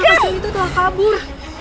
anak anak itu telah kabur